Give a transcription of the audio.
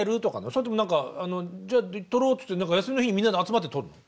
それとも何か「じゃあ撮ろう」って休みの日にみんなで集まって撮るの？